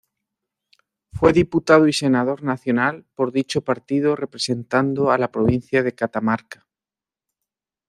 Fue diputado y senador nacional por dicho partido representando a la provincia de Catamarca.